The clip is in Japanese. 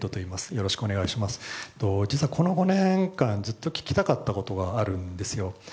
実はこの５年間ずっと聞きたかったことがあるんですよ。